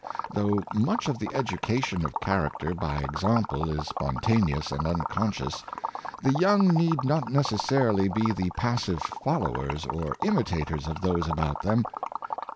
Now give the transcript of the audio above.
Though much of the education of character by ex ample is spontaneous and unconscious, the young need not necessarily be the passive followers or imitators of those about them.